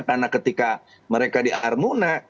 karena ketika mereka diarmuna